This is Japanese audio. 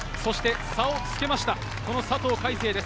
差をつけました、佐藤快成です。